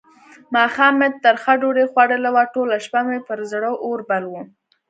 ماښام مې ترخه ډوډۍ خوړلې وه؛ ټوله شپه مې پر زړه اور بل وو.